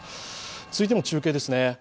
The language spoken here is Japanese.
続いても中継ですね。